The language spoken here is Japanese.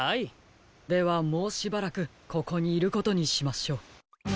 ではもうしばらくここにいることにしましょう。